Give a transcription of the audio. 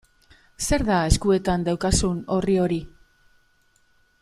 Zer da eskuetan daukazun orri hori?